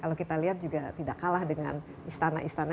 kalau kita lihat juga tidak kalah dengan istana istana